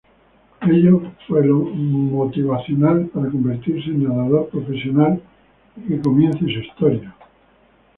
Ello fue lo motivacional para convertirse en nadador profesional y que comience su historia.